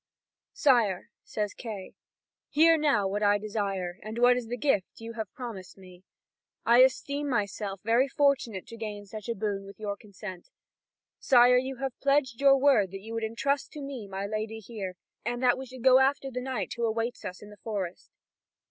(Vv. 173 246.) "Sire," says Kay, "hear now what I desire, and what is the gift you have promised me. I esteem myself very fortunate to gain such a boon with your consent. Sire, you have pledged your word that you would entrust to me my lady here, and that we should go after the knight who awaits us in the forest."